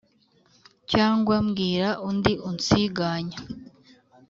Cyangwa mbwira undi unsiganya